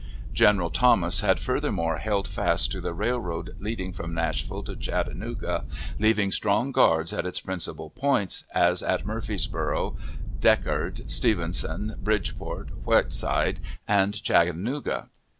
General Thomas had furthermore held fast to the railroad leading from Nashville to Chattanooga, leaving strong guards at its principal points, as at Murfreesboro', Deckerd, Stevenson, Bridgeport, Whitesides, and Chattanooga.